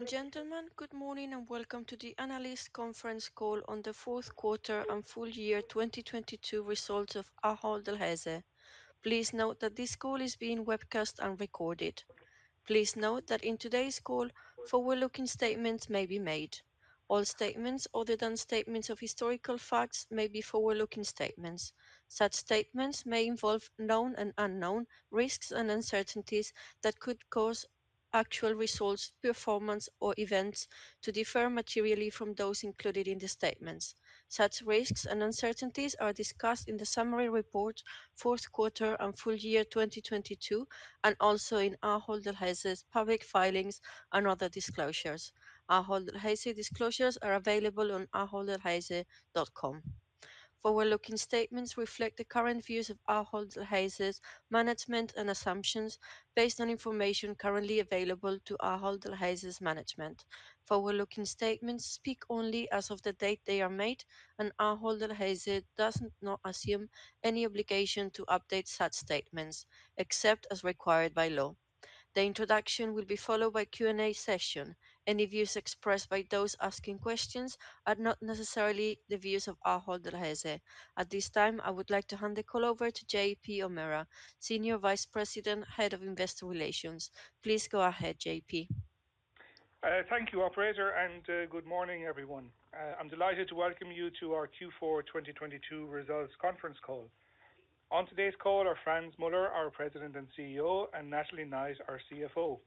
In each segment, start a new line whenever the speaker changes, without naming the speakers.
Ladies and gentlemen, good morning and welcome to the analyst conference call on the Q4 and full year 2022 results of Ahold Delhaize. Please note that this call is being webcast and recorded. Please note that in today's call, forward-looking statements may be made. All statements other than statements of historical facts may be forward-looking statements. Such statements may involve known and unknown risks and uncertainties that could cause actual results, performance or events to differ materially from those included in the statements. Such risks and uncertainties are discussed in the summary report Q4 and full year 2022, and also in Ahold Delhaize's public filings and other disclosures. Ahold Delhaize disclosures are available on aholddelhaize.com. Forward-looking statements reflect the current views of Ahold Delhaize's management and assumptions based on information currently available to Ahold Delhaize's management. Forward-looking statements speak only as of the date they are made. Ahold Delhaize does not assume any obligation to update such statements except as required by law. The introduction will be followed by Q&A session. Any views expressed by those asking questions are not necessarily the views of Ahold Delhaize. At this time, I would like to hand the call over to JP O'Meara, Senior Vice President, Head of Investor Relations. Please go ahead, JP.
Thank you operator, and good morning, everyone. I'm delighted to welcome you to our Q4 2022 results conference call. On today's call are Frans Muller, our President and CEO, and Natalie Knight, our CFO.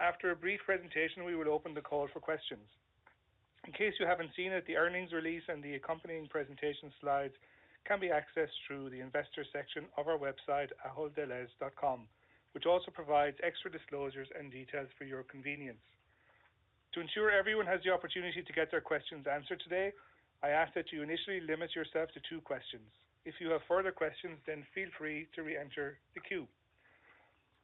After a brief presentation, we will open the call for questions. In case you haven't seen it, the earnings release and the accompanying presentation slides can be accessed through the investor section of our website, aholddelhaize.com, which also provides extra disclosures and details for your convenience. To ensure everyone has the opportunity to get their questions answered today, I ask that you initially limit yourself to two questions. If you have further questions, then feel free to reenter the queue.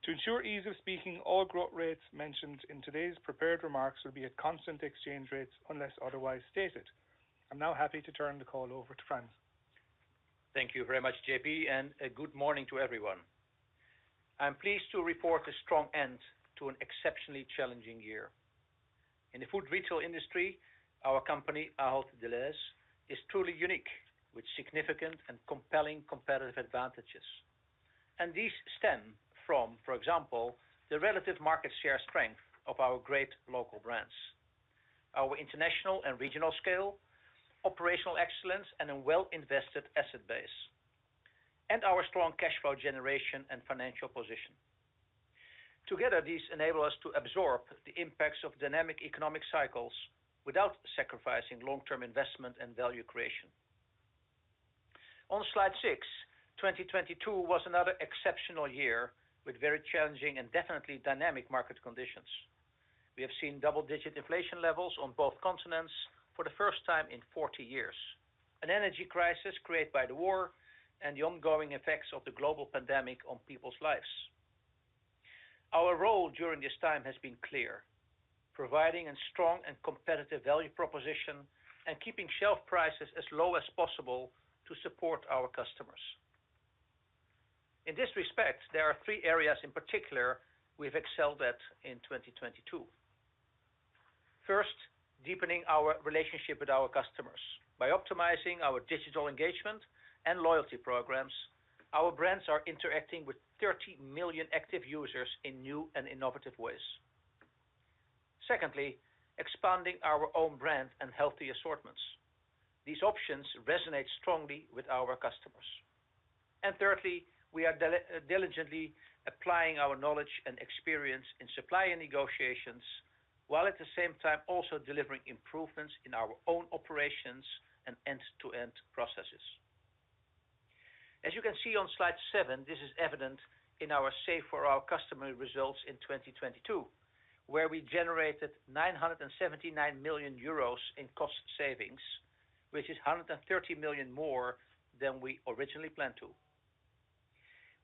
To ensure ease of speaking, all growth rates mentioned in today's prepared remarks will be at constant exchange rates unless otherwise stated. I'm now happy to turn the call over to Frans.
Thank you very much, JP, and a good morning to everyone. I'm pleased to report a strong end to an exceptionally challenging year. In the food retail industry, our company, Ahold Delhaize, is truly unique with significant and compelling competitive advantages. These stem from, for example, the relative market share strength of our great local brands, our international and regional scale, operational excellence, and a well invested asset base, and our strong cash flow generation and financial position. Together, these enable us to absorb the impacts of dynamic economic cycles without sacrificing long-term investment and value creation. On slide six, 2022 was another exceptional year with very challenging and definitely dynamic market conditions. We have seen double-digit inflation levels on both continents for the first time in 40 years, an energy crisis created by the war and the ongoing effects of the global pandemic on people's lives. Our role during this time has been clear, providing a strong and competitive value proposition and keeping shelf prices as low as possible to support our customers. In this respect, there are three areas in particular we've excelled at in 2022. First, deepening our relationship with our customers. By optimizing our digital engagement and loyalty programs, our brands are interacting with 30 million active users in new and innovative ways. Secondly, expanding our own brand and healthy assortments. These options resonate strongly with our customers. Thirdly, we are deli-diligently applying our knowledge and experience in supplier negotiations, while at the same time also delivering improvements in our own operations and end-to-end processes. As you can see on slide seven, this is evident in our Save for Our Customers results in 2022, where we generated 979 million euros in cost savings, which is 130 million more than we originally planned to.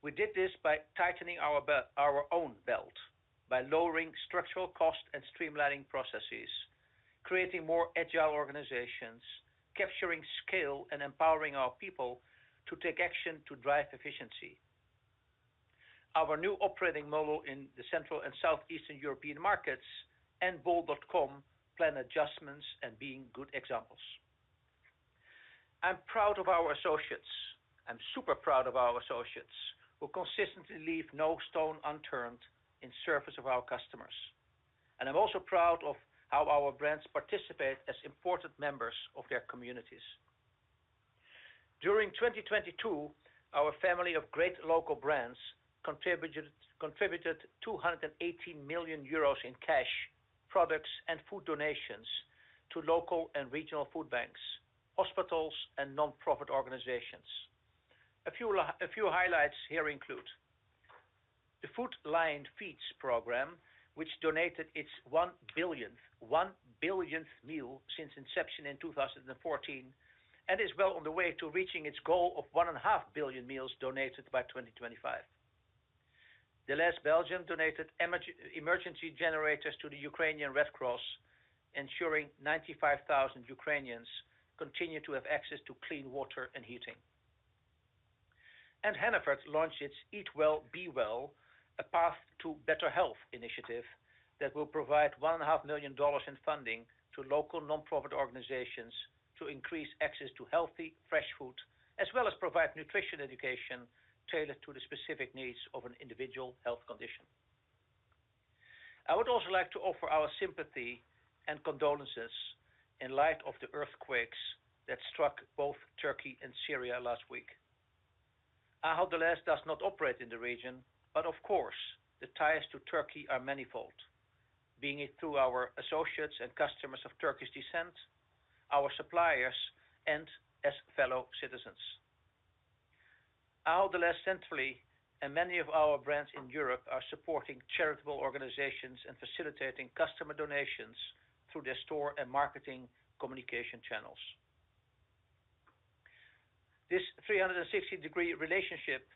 We did this by tightening our own belt by lowering structural cost and streamlining processes, creating more agile organizations, capturing scale, and empowering our people to take action to drive efficiency. Our new operating model in the Central and Southeastern European markets and bol.com plan adjustments and being good examples. I'm proud of our associates. I'm super proud of our associates who consistently leave no stone unturned in service of our customers. I'm also proud of how our brands participate as important members of their communities. During 2022, our family of great local brands contributed 280 million euros in cash, products and food donations to local and regional food banks, hospitals and nonprofit organizations. A few highlights here include the Food Lion Feeds program, which donated its one billionth meal since inception in 2014, and is well on the way to reaching its goal of one and a half billion meals donated by 2025. Delhaize Belgium donated emergency generators to the Ukrainian Red Cross, ensuring 95,000 Ukrainians continue to have access to clean water and heating. Hannaford launched its Eat Well, Be Well – A Path to Better Health initiative that will provide $1.5 million in funding to local nonprofit organizations to increase access to healthy, fresh food, as well as provide nutrition education tailored to the specific needs of an individual health condition. I would also like to offer our sympathy and condolences in light of the earthquakes that struck both Turkey and Syria last week. Ahold Delhaize does not operate in the region, but of course, the ties to Turkey are manifold, being it through our associates and customers of Turkish descent, our suppliers, and as fellow citizens. Ahold Delhaize centrally and many of our brands in Europe are supporting charitable organizations and facilitating customer donations through their store and marketing communication channels. This 360-degree relationship,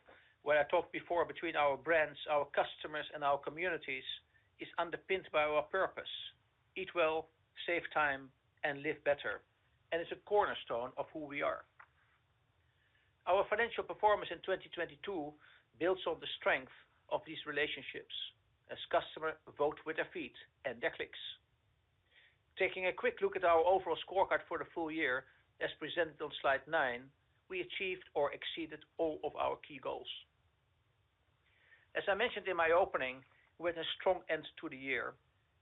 where I talked before between our brands, our customers, and our communities, is underpinned by our purpose, eat well, save time, and live better, and it's a cornerstone of who we are. Our financial performance in 2022 builds on the strength of these relationships as customer vote with their feet and their clicks. Taking a quick look at our overall scorecard for the full year as presented on slide nine, we achieved or exceeded all of our key goals. As I mentioned in my opening, we had a strong end to the year,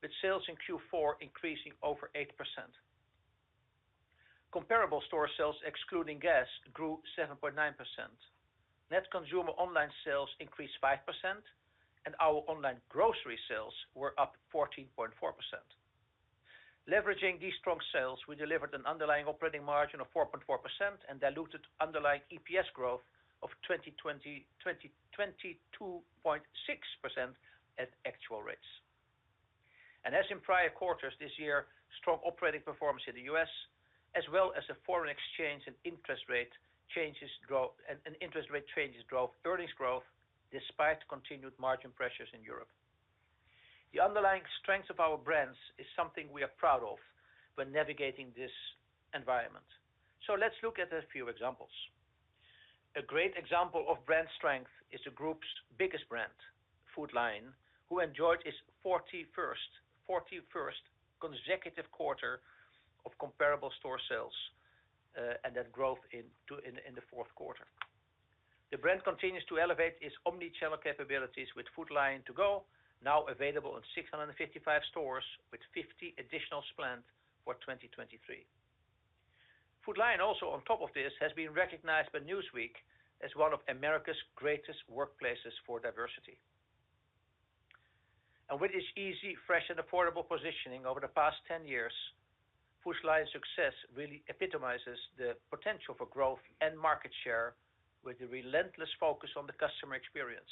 with sales in Q4 increasing over 8%. Comparable store sales excluding gas grew 7.9%. Net consumer online sales increased 5%, and our online grocery sales were up 14.4%. Leveraging these strong sales, we delivered an underlying operating margin of 4.4% and diluted underlying EPS growth of 22.6% at actual rates. As in prior quarters this year, strong operating performance in the U.S., as well as the foreign exchange and interest rate changes drove earnings growth despite continued margin pressures in Europe. The underlying strength of our brands is something we are proud of when navigating this environment. Let's look at a few examples. A great example of brand strength is the group's biggest brand, Food Lion, who enjoyed its 41st consecutive quarter of comparable store sales, and that growth in the Q4. The brand continues to elevate its omni-channel capabilities with Food Lion To Go now available in 655 stores with 50 additional planned for 2023. Food Lion also on top of this, has been recognized by Newsweek as one of America's greatest workplaces for diversity. With its easy, fresh, and affordable positioning over the past 10 years, Food Lion's success really epitomizes the potential for growth and market share with the relentless focus on the customer experience,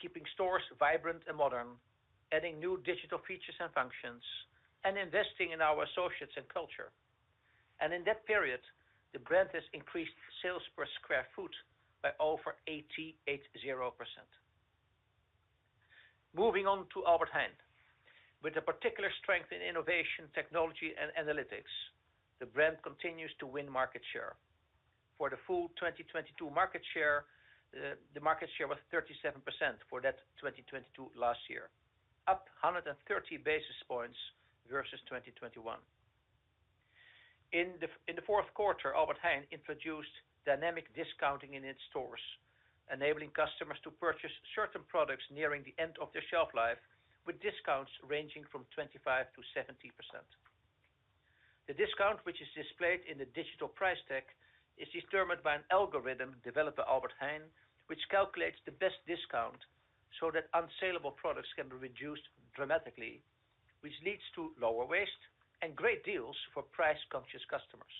keeping stores vibrant and modern, adding new digital features and functions, and investing in our associates and culture. In that period, the brand has increased sales per square foot by over 80%. Moving on to Albert Heijn. With a particular strength in innovation, technology, and analytics, the brand continues to win market share. For the full 2022 market share, the market share was 37% for that 2022 last year, up 130 basis points versus 2021. In the Q4, Albert Heijn introduced dynamic discounting in its stores, enabling customers to purchase certain products nearing the end of their shelf life, with discounts ranging from 25%-70%. The discount, which is displayed in the digital price tag, is determined by an algorithm developed by Albert Heijn, which calculates the best discount so that unsaleable products can be reduced dramatically, which leads to lower waste and great deals for price-conscious customers.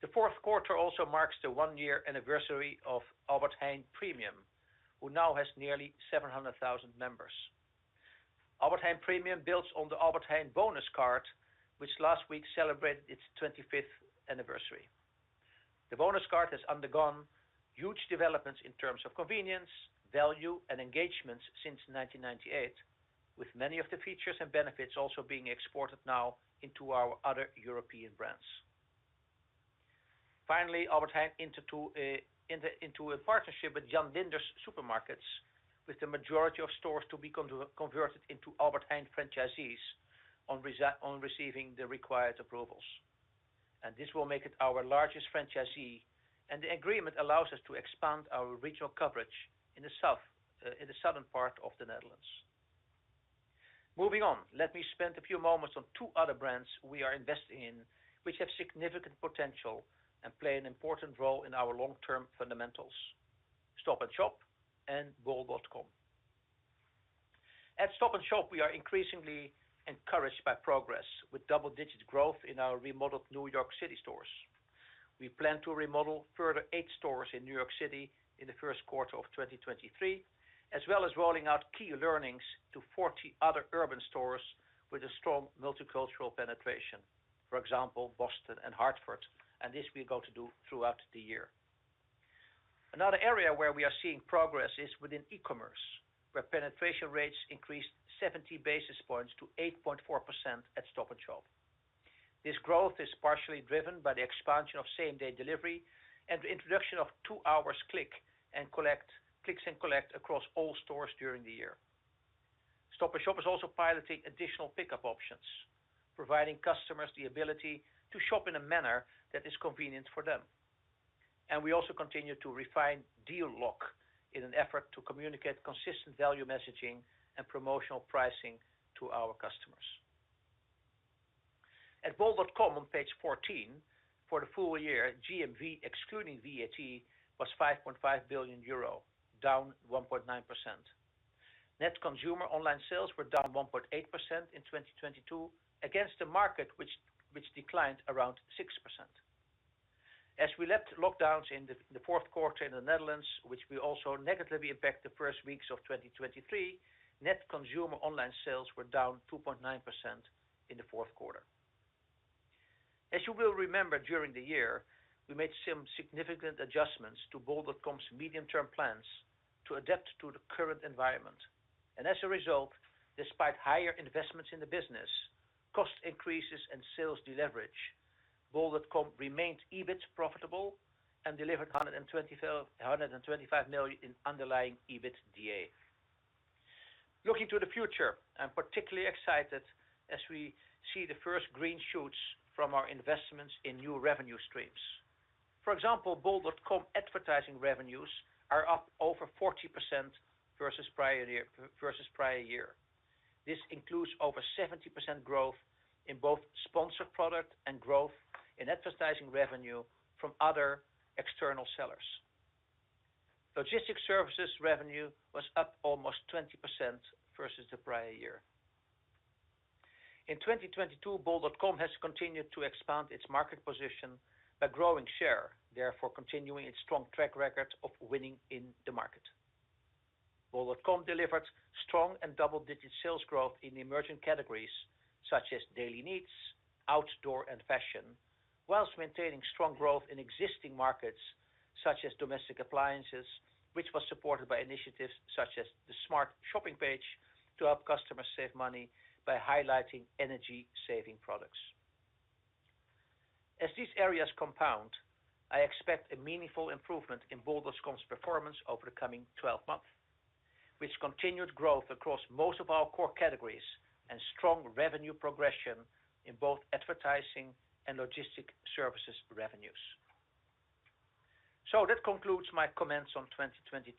The Q4 also marks the one-year anniversary of Albert Heijn Premium, who now has nearly 700,000 members. Albert Heijn Premium builds on the Albert Heijn Bonus Card, which last week celebrated its 25th anniversary. The Bonus Card has undergone huge developments in terms of convenience, value, and engagements since 1998, with many of the features and benefits also being exported now into our other European brands. Albert Heijn into a partnership with Jan Linders Supermarkets, with the majority of stores to be converted into Albert Heijn franchisees on receiving the required approvals. This will make it our largest franchisee, and the agreement allows us to expand our regional coverage in the southern part of the Netherlands. Let me spend a few moments on two other brands we are investing in, which have significant potential and play an important role in our long-term fundamentals, Stop & Shop and bol.com. At Stop & Shop, we are increasingly encouraged by progress with double-digit growth in our remodeled New York City stores. We plan to remodel further eight stores in New York City in the Q1 of 2023, as well as rolling out key learnings to 40 other urban stores with a strong multicultural penetration. For example, Boston and Hartford, this we're going to do throughout the year. Another area where we are seeing progress is within e-commerce, where penetration rates increased 70 basis points to 8.4% at Stop & Shop. This growth is partially driven by the expansion of same-day delivery and the introduction of two hours clicks and collect across all stores during the year. Stop & Shop is also piloting additional pickup options, providing customers the ability to shop in a manner that is convenient for them. We also continue to refine Deal Lock in an effort to communicate consistent value messaging and promotional pricing to our customers. At bol.com on page 14, for the full year, GMV excluding VAT, was 5.5 billion euro, down 1.9%. Net consumer online sales were down 1.8% in 2022 against the market, which declined around 6%. We left lockdowns in the Q4 in the Netherlands, which will also negatively impact the first weeks of 2023, net consumer online sales were down 2.9% in the Q4. You will remember during the year, we made some significant adjustments to bol.com's medium-term plans to adapt to the current environment. As a result, despite higher investments in the business, cost increases and sales deleverage, bol.com remained EBIT profitable and delivered 125 million in underlying EBITDA. Looking to the future, I'm particularly excited as we see the first green shoots from our investments in new revenue streams. For example, bol.com advertising revenues are up over 40% versus prior year. This includes over 70% growth in both sponsored product and growth in advertising revenue from other external sellers. Logistics services revenue was up almost 20% versus the prior year. In 2022, bol.com has continued to expand its market position by growing share, therefore continuing its strong track record of winning in the market. bol.com delivered strong and double-digit sales growth in emerging categories such as daily needs, outdoor, and fashion, whilst maintaining strong growth in existing markets such as domestic appliances, which was supported by initiatives such as the smart shopping page to help customers save money by highlighting energy-saving products. As these areas compound, I expect a meaningful improvement in bol.com's performance over the coming 12 months, with continued growth across most of our core categories and strong revenue progression in both advertising and logistic services revenues. That concludes my comments on 2022.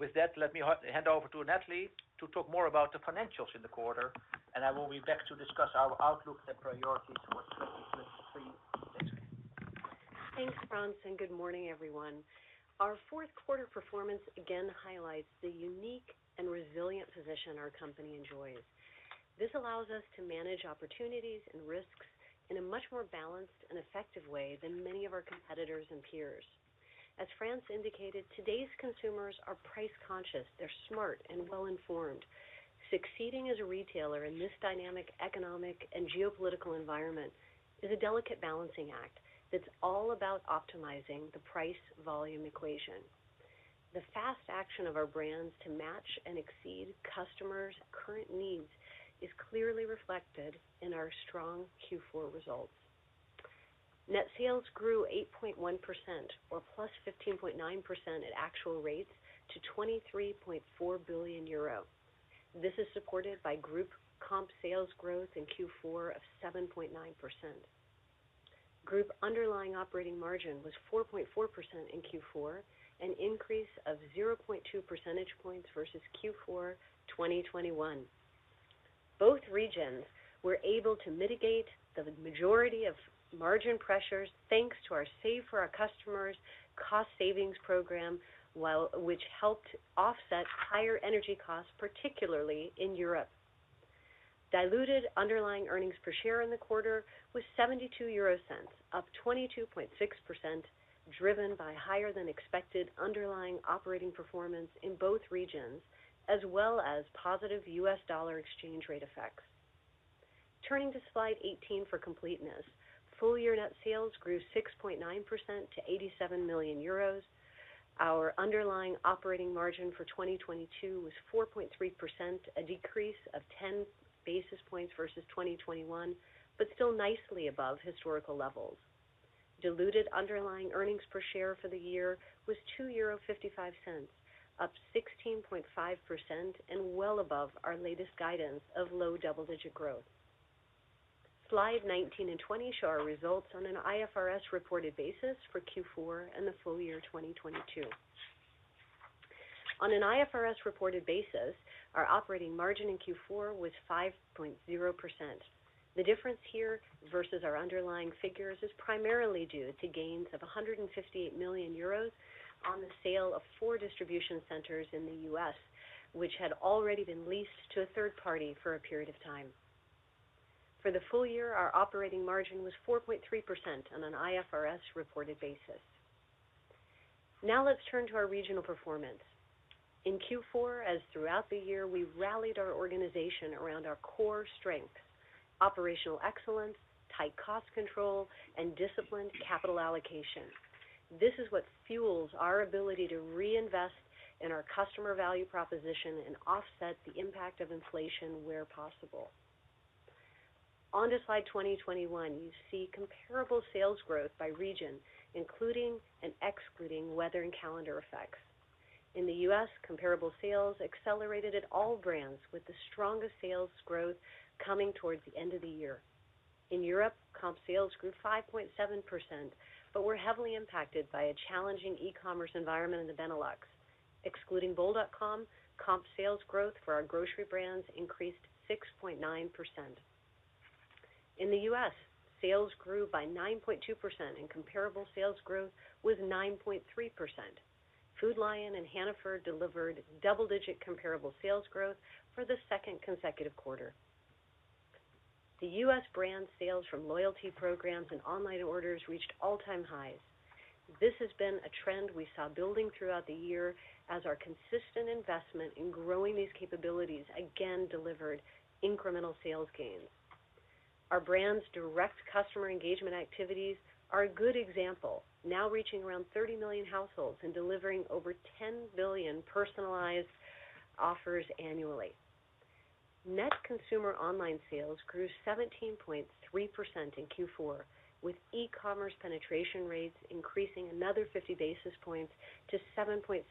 With that, let me hand over to Natalie to talk more about the financials in the quarter. I will be back to discuss our outlook and priorities towards 2023 next week.
Thanks, Frans. Good morning, everyone. Our Q4 performance again highlights the unique and resilient position our company enjoys. This allows us to manage opportunities and risks in a much more balanced and effective way than many of our competitors and peers. As Frans indicated, today's consumers are price conscious. They're smart and well-informed. Succeeding as a retailer in this dynamic economic and geopolitical environment is a delicate balancing act that's all about optimizing the price-volume equation. The fast action of our brands to match and exceed customers' current needs is clearly reflected in our strong Q4 results. Net sales grew 8.1% or +15.9% at actual rates to 23.4 billion euro. This is supported by group comp sales growth in Q4 of 7.9%. Group underlying operating margin was 4.4% in Q4, an increase of 0.2 percentage points versus Q4 2021. Both regions were able to mitigate the majority of margin pressures, thanks to our Save for Our Customers cost savings program, which helped offset higher energy costs, particularly in Europe. Diluted underlying earnings per share in the quarter was 0.72, up 22.6%, driven by higher than expected underlying operating performance in both regions, as well as positive U.S. dollar exchange rate effects. Turning to slide 18 for completeness. Full year net sales grew 6.9% to 87 million euros. Our underlying operating margin for 2022 was 4.3%, a decrease of 10 basis points versus 2021, but still nicely above historical levels. Diluted underlying earnings per share for the year was 2.55 euro, up 16.5%, and well above our latest guidance of low double-digit growth. Slide 19 and 20 show our results on an IFRS reported basis for Q4 and the full year 2022. On an IFRS reported basis, our operating margin in Q4 was 5.0%. The difference here versus our underlying figures is primarily due to gains of 158 million euros on the sale of four distribution centers in the U.S., which had already been leased to a third party for a period of time. For the full year, our operating margin was 4.3% on an IFRS reported basis. Now, let's turn to our regional performance. In Q4, as throughout the year, we rallied our organization around our core strengths, operational excellence, tight cost control, and disciplined capital allocation. This is what fuels our ability to reinvest in our customer value proposition and offset the impact of inflation where possible. On to Slide 2021, you see comparable sales growth by region, including and excluding weather and calendar effects. In the U.S., comparable sales accelerated at all brands, with the strongest sales growth coming towards the end of the year. In Europe, comp sales grew 5.7% but were heavily impacted by a challenging e-commerce environment in the Benelux. Excluding bol.com, comp sales growth for our grocery brands increased 6.9%. In the U.S., sales grew by 9.2% and comparable sales growth was 9.3%. Food Lion and Hannaford delivered double-digit comparable sales growth for the second consecutive quarter. The U.S. brand sales from loyalty programs and online orders reached all-time highs. This has been a trend we saw building throughout the year as our consistent investment in growing these capabilities again delivered incremental sales gains. Our brand's direct customer engagement activities are a good example, now reaching around 30 million households and delivering over 10 billion personalized offers annually. Net consumer online sales grew 17.3% in Q4, with e-commerce penetration rates increasing another 50 basis points to 7.7%.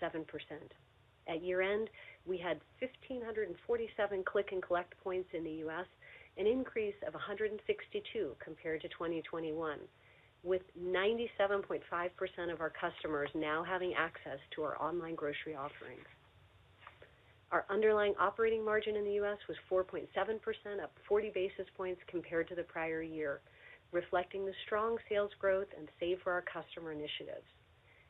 At year-end, we had 1,547 click and collect points in the U.S., an increase of 162 compared to 2021, with 97.5% of our customers now having access to our online grocery offerings. Our underlying operating margin in the U.S. was 4.7%, up 40 basis points compared to the prior year, reflecting the strong sales growth and Save for Our Customers initiatives.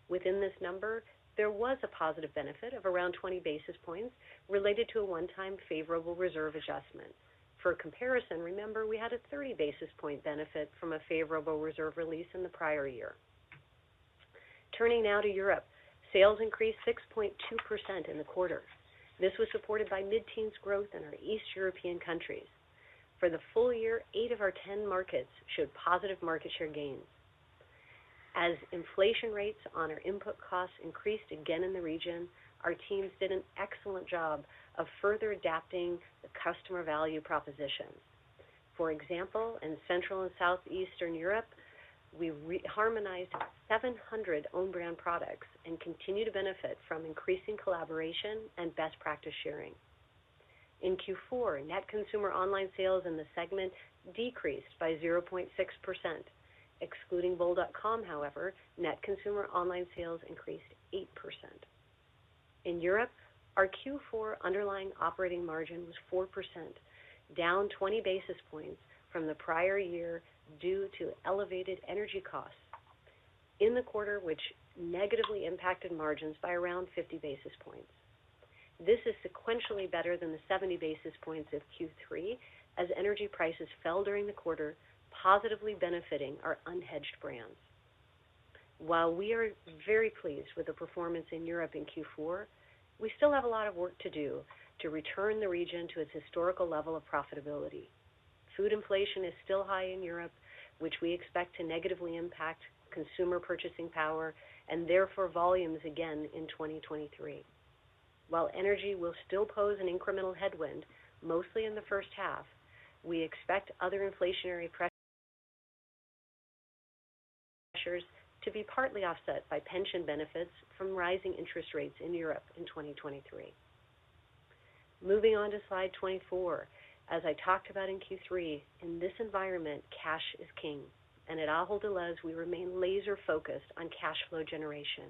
Within this number, there was a positive benefit of around 20 basis points related to a one-time favorable reserve adjustment. Remember, we had a 30 basis point benefit from a favorable reserve release in the prior year. Turning now to Europe. Sales increased 6.2% in the quarter. This was supported by mid-teens growth in our East European countries. For the full year, eight of our 10 markets showed positive market share gains. Inflation rates on our input costs increased again in the region, our teams did an excellent job of further adapting the customer value propositions. For example, in Central and Southeastern Europe, we reharmonized 700 own brand products and continue to benefit from increasing collaboration and best practice sharing. In Q4, net consumer online sales in the segment decreased by 0.6%. Excluding bol.com, however, net consumer online sales increased 8%. In Europe, our Q4 underlying operating margin was 4%, down 20 basis points from the prior year due to elevated energy costs in the quarter, which negatively impacted margins by around 50 basis points. This is sequentially better than the 70 basis points of Q3 as energy prices fell during the quarter, positively benefiting our unhedged brands. While we are very pleased with the performance in Europe in Q4, we still have a lot of work to do to return the region to its historical level of profitability. Food inflation is still high in Europe, which we expect to negatively impact consumer purchasing power and therefore volumes again in 2023. While energy will still pose an incremental headwind, mostly in the H1, we expect other inflationary pressures to be partly offset by pension benefits from rising interest rates in Europe in 2023. Moving on to Slide 24. As I talked about in Q3, in this environment, cash is king. At Ahold Delhaize, we remain laser-focused on cash flow generation.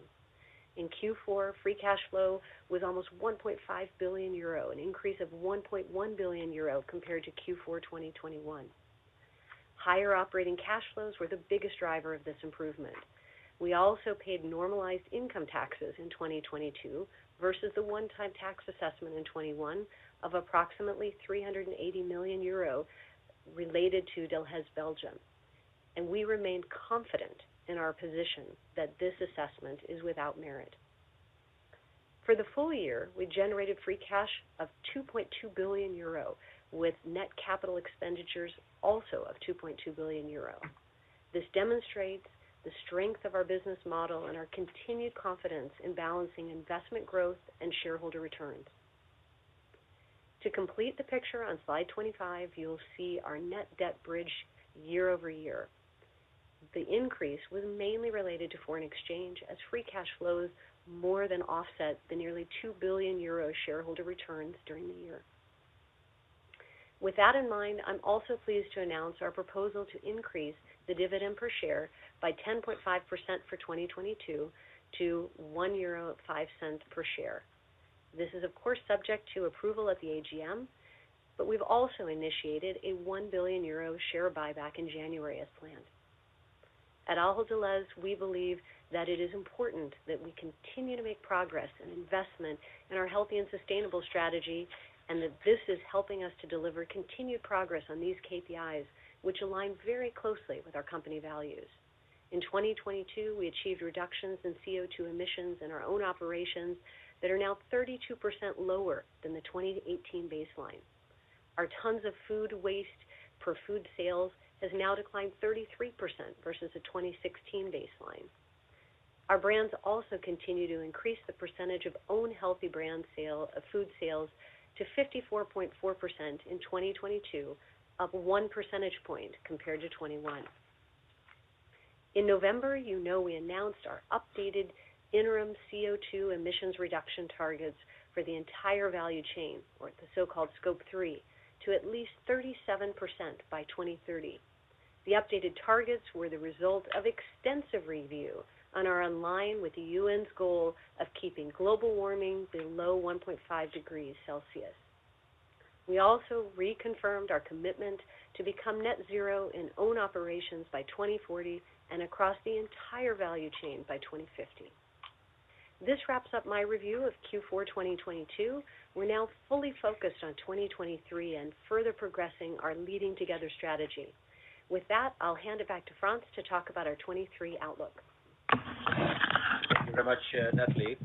In Q4, free cash flow was almost 1.5 billion euro, an increase of 1.1 billion euro compared to Q4 2021. Higher operating cash flows were the biggest driver of this improvement. We also paid normalized income taxes in 2022 versus the one-time tax assessment in 2021 of approximately 380 million euro related to Delhaize Belgium. We remain confident in our position that this assessment is without merit. For the full year, we generated free cash of 2.2 billion euro with net capital expenditures also of 2.2 billion euro. This demonstrates the strength of our business model and our continued confidence in balancing investment growth and shareholder returns. To complete the picture on Slide 25, you'll see our net debt bridge year-over-year. The increase was mainly related to foreign exchange as free cash flows more than offset the nearly 2 billion euro shareholder returns during the year. With that in mind, I'm also pleased to announce our proposal to increase the dividend per share by 10.5% for 2022 to 1.05 euro per share. This is, of course, subject to approval at the AGM, but we've also initiated a 1 billion euro share buyback in January as planned. At Ahold Delhaize, we believe that it is important that we continue to make progress and investment in our healthy and sustainable strategy, and that this is helping us to deliver continued progress on these KPIs, which align very closely with our company values. In 2022, we achieved reductions in CO2 emissions in our own operations that are now 32% lower than the 2018 baseline. Our tons of food waste for food sales has now declined 33% versus the 2016 baseline. Our brands also continue to increase the percentage of own healthy brand of food sales to 54.4% in 2022, up 1 percentage point compared to 2021. In November, you know we announced our updated interim CO2 emissions reduction targets for the entire value chain or the so-called Scope 3 to at least 37% by 2030. The updated targets were the result of extensive review and are in line with the UN's goal of keeping global warming below 1.5 degrees Celsius. We also reconfirmed our commitment to become net zero in own operations by 2040 and across the entire value chain by 2050. This wraps up my review of Q4 2022. We're now fully focused on 2023 and further progressing our Leading Together strategy. With that, I'll hand it back to Frans to talk about our 2023 outlook.
Thank you very much, Natalie.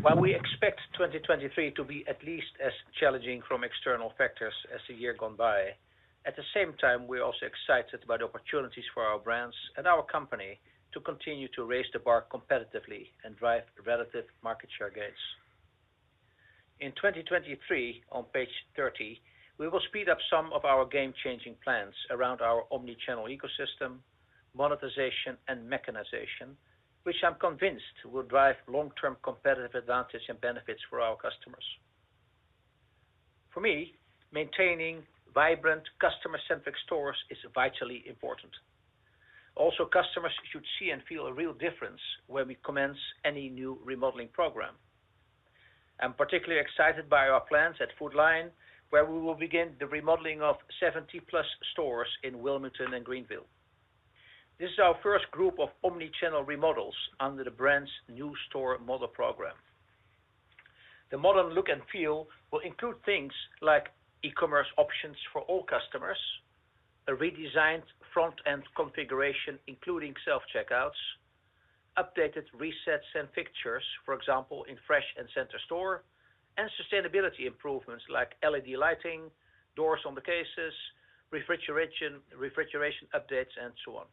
While we expect 2023 to be at least as challenging from external factors as the year gone by, at the same time, we are also excited about the opportunities for our brands and our company to continue to raise the bar competitively and drive relative market share gains. In 2023, on page 30, we will speed up some of our game-changing plans around our omni-channel ecosystem, monetization, and mechanization, which I'm convinced will drive long-term competitive advantage and benefits for our customers. For me, maintaining vibrant customer-centric stores is vitally important. Also, customers should see and feel a real difference when we commence any new remodeling program. I'm particularly excited by our plans at Food Lion, where we will begin the remodeling of 70+ stores in Wilmington and Greenville. This is our first group of omni-channel remodels under the brand's new store model program. The modern look and feel will include things like e-commerce options for all customers, a redesigned front-end configuration, including self-checkouts, updated resets and fixtures, for example, in Fresh and Center Store, and sustainability improvements like LED lighting, doors on the cases, refrigeration updates, and so on.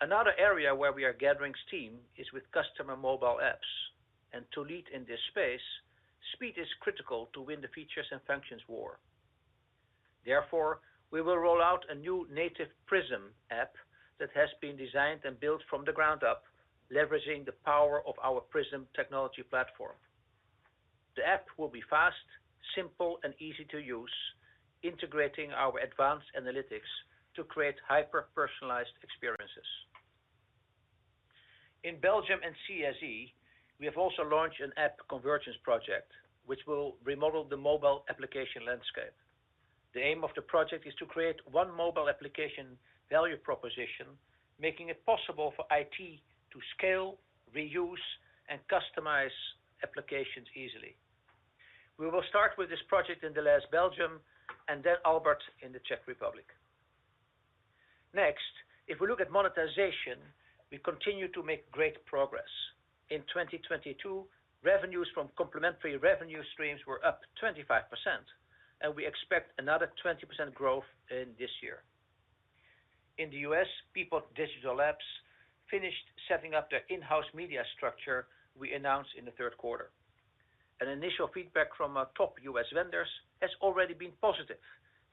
Another area where we are gathering steam is with customer mobile apps. To lead in this space, speed is critical to win the features and functions war. Therefore, we will roll out a new native PRISM app that has been designed and built from the ground up, leveraging the power of our PRISM technology platform. The app will be fast, simple, and easy to use, integrating our advanced analytics to create hyper-personalized experiences. In Belgium and CSE, we have also launched an app convergence project, which will remodel the mobile application landscape. The aim of the project is to create one mobile application value proposition, making it possible for IT to scale, reuse, and customize applications easily. We will start with this project in Delhaize Belgium and then Albert in the Czech Republic. If we look at monetization, we continue to make great progress. In 2022, revenues from complementary revenue streams were up 25%, and we expect another 20% growth in this year. In the U.S., Peapod Digital Labs finished setting up their in-house media structure we announced in the Q3. An initial feedback from our top U.S. vendors has already been positive,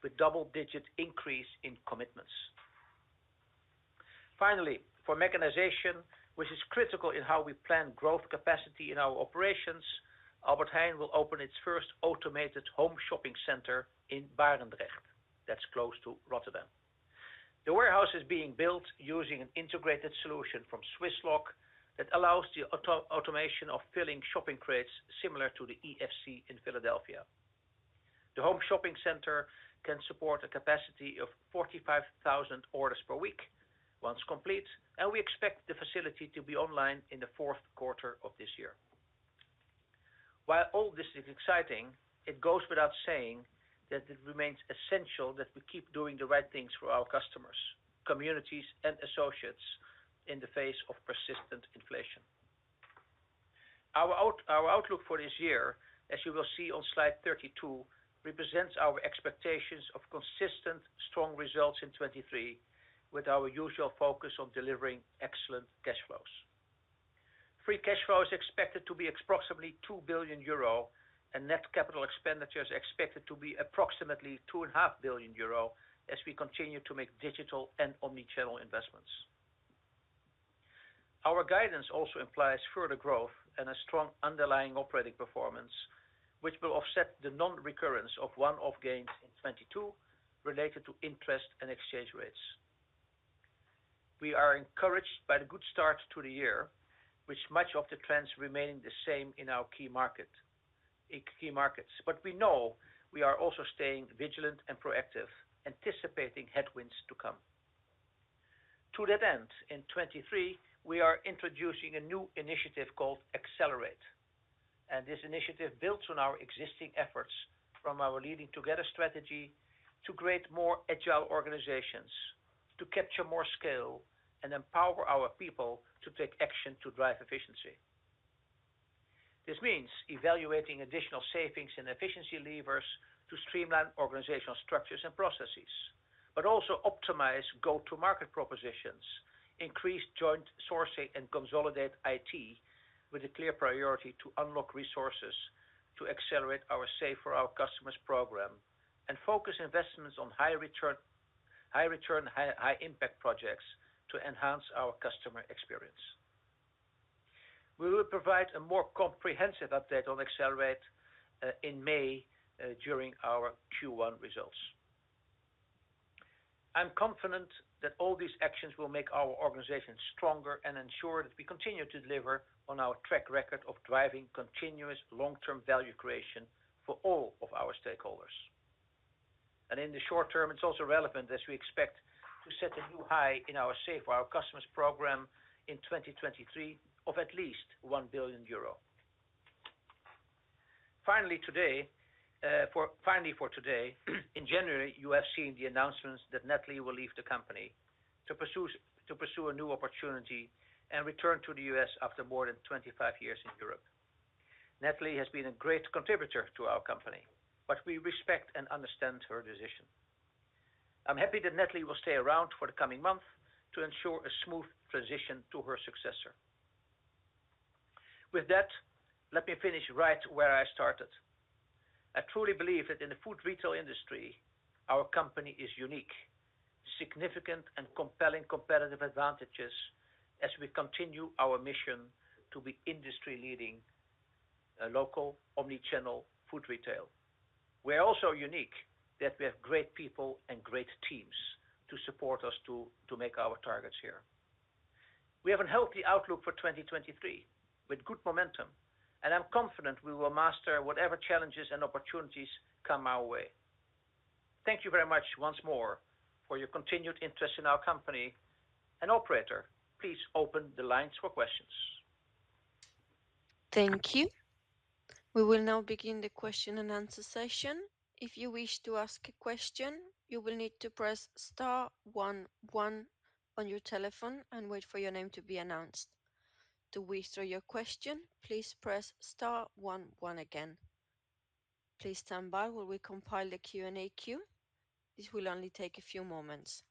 with double-digit increase in commitments. Finally, for mechanization, which is critical in how we plan growth capacity in our operations, Albert Heijn will open its first automated home shopping center in Barendrecht, that's close to Rotterdam. The warehouse is being built using an integrated solution from Swisslog that allows the auto-automation of filling shopping crates similar to the EFC in Philadelphia. The home shopping center can support a capacity of 45,000 orders per week once complete, and we expect the facility to be online in the Q4 of this year. While all this is exciting, it goes without saying that it remains essential that we keep doing the right things for our customers, communities, and associates in the face of persistent inflation. Our outlook for this year, as you will see on slide 32, represents our expectations of consistent strong results in 2023 with our usual focus on delivering excellent cash flows. Free cash flow is expected to be approximately 2 billion euro, and net capital expenditure is expected to be approximately two and a half billion EUR as we continue to make digital and omni-channel investments. Our guidance also implies further growth and a strong underlying operating performance, which will offset the nonrecurrence of one-off gains in 2022 related to interest and exchange rates. We are encouraged by the good start to the year, with much of the trends remaining the same in our key market, in key markets. We know we are also staying vigilant and proactive, anticipating headwinds to come. To that end, in 2023, we are introducing a new initiative called Accelerate. This initiative builds on our existing efforts from our Leading Together strategy to create more agile organizations, to capture more scale and empower our people to take action to drive efficiency. This means evaluating additional savings and efficiency levers to streamline organizational structures and processes, also optimize go-to-market propositions, increase joint sourcing, and consolidate IT with a clear priority to unlock resources to accelerate our Save for Our Customers program and focus investments on high return, high impact projects to enhance our customer experience. We will provide a more comprehensive update on Accelerate in May during our Q1 results. I'm confident that all these actions will make our organization stronger and ensure that we continue to deliver on our track record of driving continuous long-term value creation for all of our stakeholders. In the short term, it's also relevant as we expect to set a new high in our Save Our Customers Program in 2023 of at least 1 billion euro. Finally, today, finally, for today, in January, you have seen the announcements that Natalie will leave the company to pursue a new opportunity and return to the U.S. after more than 25 years in Europe. Natalie has been a great contributor to our company, but we respect and understand her decision. I'm happy that Natalie will stay around for the coming month to ensure a smooth transition to her successor. With that, let me finish right where I started. I truly believe that in the food retail industry, our company is unique, significant, and compelling competitive advantages as we continue our mission to be industry leading, a local omni-channel food retail. We are also unique that we have great people and great teams to support us to make our targets here. We have a healthy outlook for 2023 with good momentum, and I'm confident we will master whatever challenges and opportunities come our way. Thank you very much once more for your continued interest in our company. Operator, please open the lines for questions.
Thank you. We will now begin the Q&A session. If you wish to ask a question, you will need to press star one one on your telephone and wait for your name to be announced. To withdraw your question, please press star one one again. Please stand by while we compile the Q&A queue. This will only take a few moments.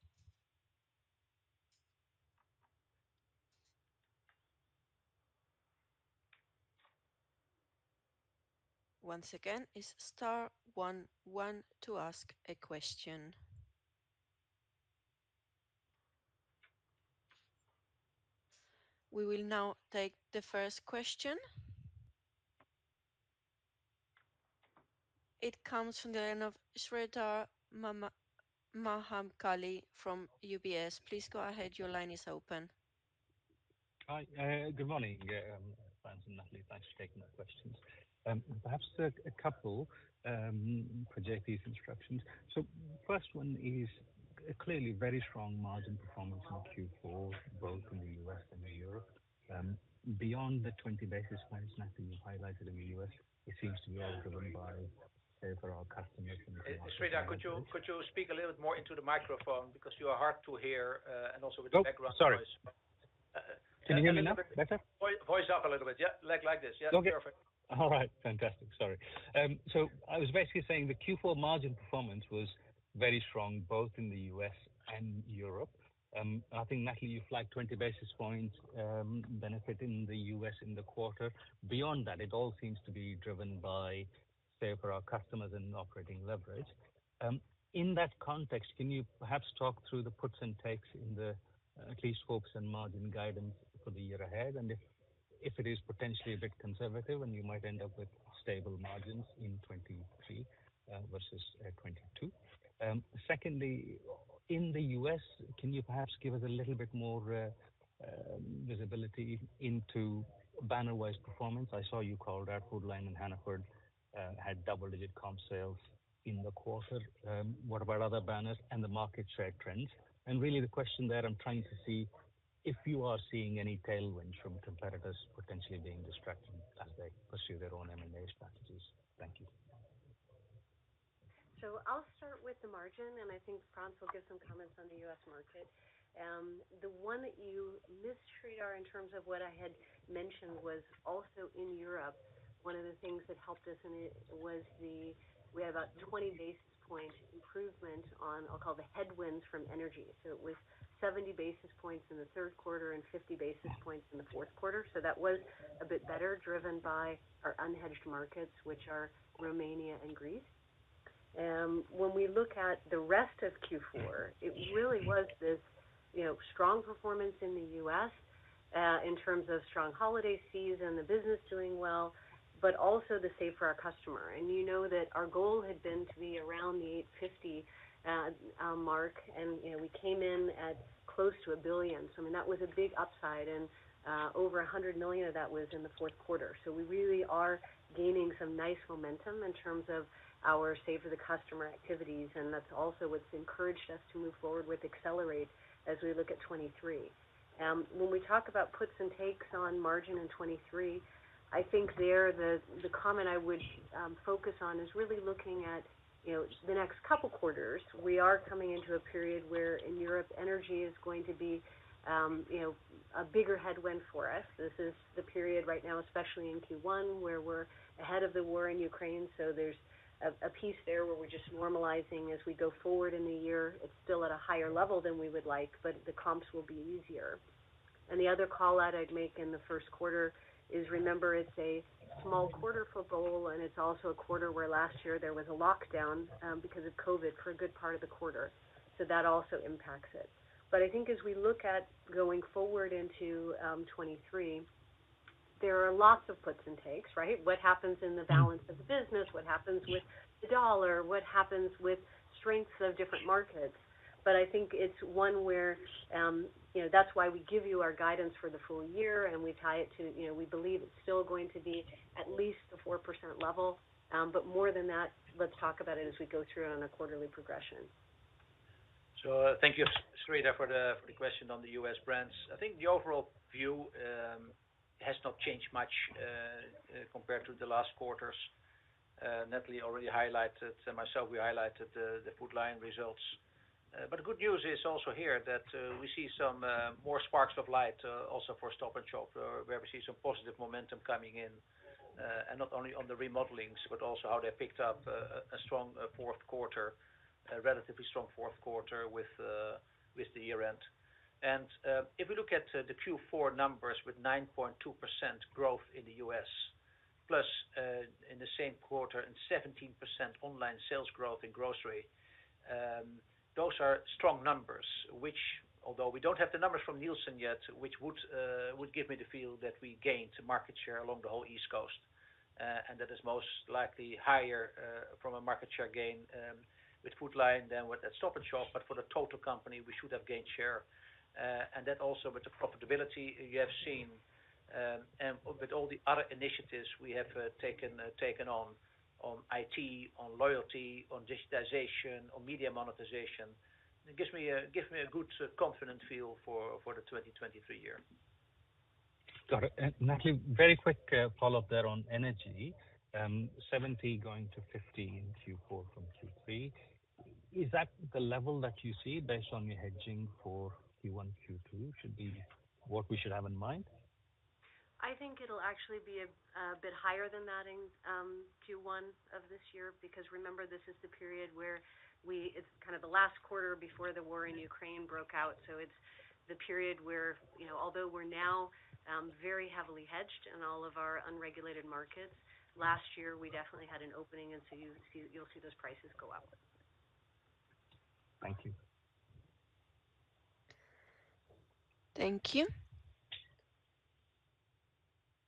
Once again, it's star one one to ask a question. We will now take the first question. It comes from the line of Sreedhar Mahamkali from UBS. Please go ahead. Your line is open.
Hi. Good morning, yeah, Frans and Natalie. Thanks for taking my questions. Perhaps a couple for JP's instructions. First one is clearly very strong margin performance in Q4, both in the U.S. and in Europe. Beyond the 20 basis points, Natalie, you highlighted in the U.S., it seems to be all driven by Save for Our Customers and-
Sreedhar, could you speak a little bit more into the microphone because you are hard to hear, and also with the background noise.
Oh, sorry. Can you hear me now better?
Voice up a little bit. Yeah, like this. Yeah. Perfect.
Okay. All right. Fantastic. Sorry. I was basically saying the Q4 margin performance was very strong both in the U.S. and Europe. I think, Natalie, you flagged 20 basis points benefit in the U.S. in the quarter. Beyond that, it all seems to be driven by Save for Our Customers and operating leverage. In that context, can you perhaps talk through the puts and takes in the at least folks and margin guidance for the year ahead? If it is potentially a bit conservative, and you might end up with stable margins in 23 versus 22. Secondly, in the U.S., can you perhaps give us a little bit more visibility into banner-wise performance? I saw you called out Food Lion and Hannaford had double-digit comp sales in the quarter. What about other banners and the market share trends? Really the question there, I'm trying to see if you are seeing any tailwind from competitors potentially being distracted as they pursue their own M&A strategies. Thank you.
I'll start with the margin, and I think Frans will give some comments on the U.S. market. The one that you missed, Sreedhar, in terms of what I had mentioned, was also in Europe, one of the things that helped us, and it was the, we had about 20 basis point improvement on, I'll call the headwinds from energy. It was 70 basis points in the Q3 and 50 basis points in the Q4. That was a bit better driven by our unhedged markets, which are Romania and Greece. When we look at the rest of Q4, it really was this, you know, strong performance in the U.S., in terms of strong holiday season, the business doing well, but also the Save for Our Customers. You know that our goal had been to be around the 850 mark, and, you know, we came in at close to 1 billion. I mean, that was a big upside, and over 100 million of that was in the Q4. We really are gaining some nice momentum in terms of our Save for the Customer activities, and that's also what's encouraged us to move forward with Accelerate as we look at 23. When we talk about puts and takes on margin in 23, I think there the comment I would focus on is really looking at, you know, the next couple quarters. We are coming into a period where in Europe energy is going to be, you know, a bigger headwind for us. This is the period right now, especially in Q1, where we're ahead of the war in Ukraine. There's a piece there where we're just normalizing as we go forward in the year. It's still at a higher level than we would like, but the comps will be easier. And the other call out I'd make in the Q1 is, remember, it's a small quarter for bol.com, and it's also a quarter where last year there was a lockdown because of COVID for a good part of the quarter. That also impacts it. I think as we look at going forward into 2023, there are lots of puts and takes, right? What happens in the balance of the business, what happens with the dollar, what happens with strengths of different markets. I think it's one where, you know, that's why we give you our guidance for the full year and we tie it to, you know, we believe it's still going to be at least the 4% level. More than that, let's talk about it as we go through on a quarterly progression.
Thank you, Sreedhar, for the question on the U.S. brands. I think the overall view has not changed much compared to the last quarters. Natalie already highlighted, and myself, we highlighted the Food Lion results. The good news is also here that we see some more sparks of light also for Stop & Shop, where we see some positive momentum coming in, and not only on the remodelings, but also how they picked up a strong Q4, a relatively strong Q4 with the year end. If we look at the Q4 numbers with 9.2% growth in the U.S., in the same quarter and 17% online sales growth in grocery, those are strong numbers, which, although we don't have the numbers from Nielsen yet, which would give me the feel that we gained market share along the whole East Coast. That is most likely higher from a market share gain with Food Lion than with the Stop & Shop, but for the total company, we should have gained share. That also with the profitability you have seen, and with all the other initiatives we have taken on IT, on loyalty, on digitization, on media monetization, it gives me a good confident feel for the 2023 year.
Got it. Natalie, very quick follow-up there on energy. 70 going to 15 in Q4 from Q3. Is that the level that you see based on your hedging for Q1, Q2 should be what we should have in mind?
I think it'll actually be a bit higher than that in Q1 of this year, because remember, this is the period where it's kind of the last quarter before the war in Ukraine broke out. It's the period where, you know, although we're now very heavily hedged in all of our unregulated markets, last year, we definitely had an opening, you'll see those prices go up.
Thank you.
Thank you.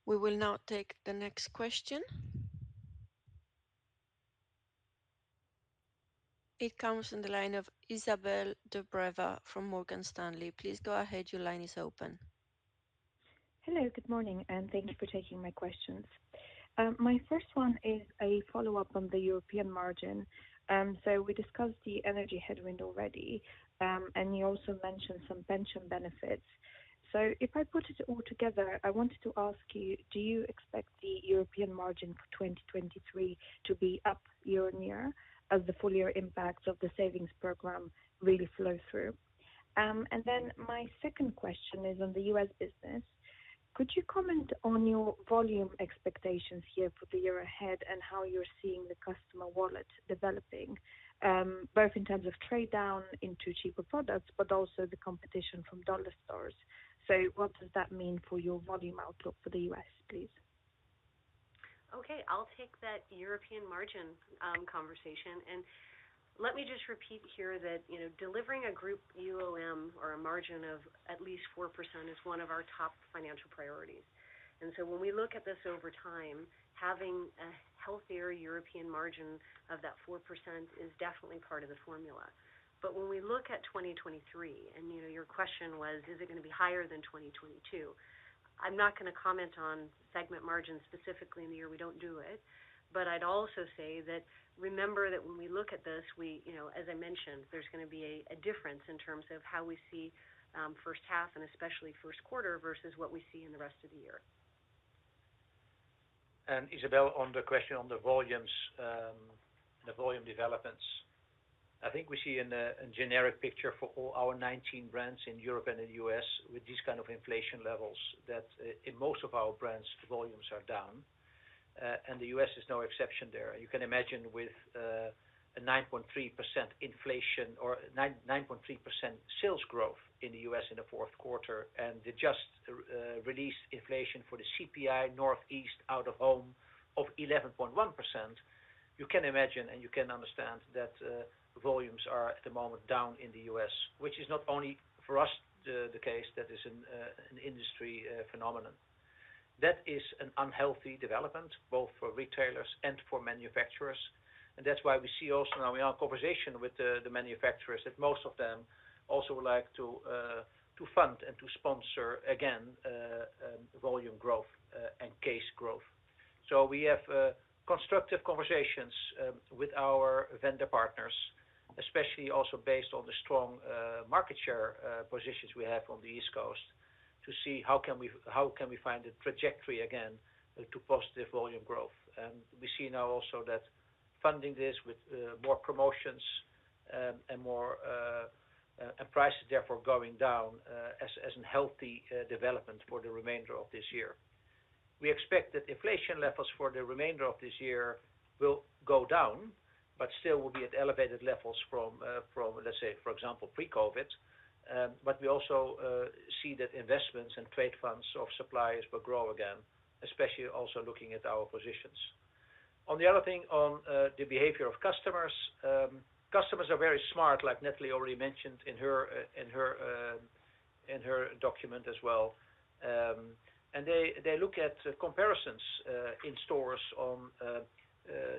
We will now take the next question. It comes on the line of Izabel Dobreva from Morgan Stanley. Please go ahead. Your line is open.
Hello, good morning, thank you for taking my questions. My first one is a follow-up on the European margin. We discussed the energy headwind already, and you also mentioned some pension benefits. If I put it all together, I wanted to ask you, do you expect the European margin for 2023 to be up year-on-year as the full year impacts of the savings program really flow through? My second question is on the U.S. business. Could you comment on your volume expectations here for the year ahead and how you're seeing the customer wallet developing, both in terms of trade down into cheaper products, but also the competition from dollar stores? What does that mean for your volume outlook for the U.S., please?
Okay. I'll take that European margin conversation. Let me just repeat here that, you know, delivering a group UOM or a margin of at least 4% is one of our top financial priorities. When we look at this over time, having a healthier European margin of that 4% is definitely part of the formula. When we look at 2023, and, you know, your question was, is it gonna be higher than 2022? I'm not gonna comment on segment margins specifically in the year, we don't do it. I'd also say that remember that when we look at this, we, you know, as I mentioned, there's gonna be a difference in terms of how we see H1 and especially Q1 versus what we see in the rest of the year.
Izabel, on the question on the volumes, the volume developments. I think we see in a generic picture for all our 19 brands in Europe and in the U.S. with these kind of inflation levels, that in most of our brands, volumes are down and the U.S. is no exception there. You can imagine with a 9.3% inflation or 9.3% sales growth in the U.S. in the Q4 and the just released inflation for the CPI Northeast out of home of 11.1%, you can imagine, and you can understand that volumes are at the moment down in the U.S., which is not only for us the case, that is an industry phenomenon. That is an unhealthy development, both for retailers and for manufacturers. That's why we see also now in our conversation with the manufacturers that most of them also would like to fund and to sponsor again, volume growth and case growth. We have constructive conversations with our vendor partners, especially also based on the strong market share positions we have on the East Coast to see how can we, how can we find a trajectory again to positive volume growth. We see now also that funding this with more promotions and more and prices therefore going down as an healthy development for the remainder of this year. We expect that inflation levels for the remainder of this year will go down, but still will be at elevated levels from, let's say, for example, pre-COVID. We also see that investments and trade funds of suppliers will grow again, especially also looking at our positions. On the other thing on the behavior of customers are very smart, like Natalie already mentioned in her document as well. They look at comparisons in stores on